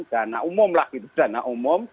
dana umum lah gitu dana umum